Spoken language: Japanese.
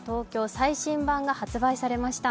最新版が発売されました。